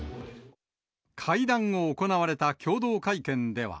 会談後、行われた共同会見では。